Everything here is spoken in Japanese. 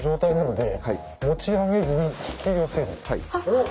おっ！